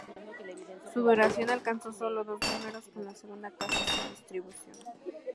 Su duración alcanzó solo dos números, con la segunda casi sin distribución.